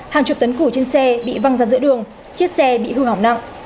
hàng chục tấn củ trên xe bị văng ra giữa đường chiếc xe bị hư hỏng nặng